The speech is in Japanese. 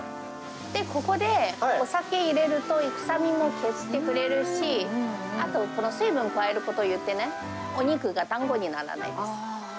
ここでお酒入れると、臭みも消してくれるし、あと、水分加えることによってね、お肉がだんごにならないです。